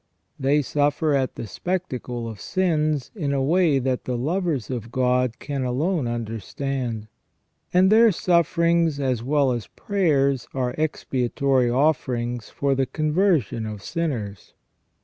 They suffer at the spectacle of sins in a way that the lovers of God can alone understand, and their sufferings as well as prayers are expiatory offerings for the conversion of sinners.